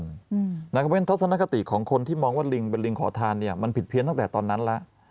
เพราะฉะนั้นทัศนคติของคนที่มองว่าลิงเป็นลิงขอทานมันผิดเพี้ยนตั้งแต่ตอนนั้นแล้ว